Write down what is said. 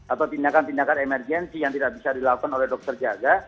atau tindakan tindakan emergensi yang tidak bisa dilakukan oleh dokter jaga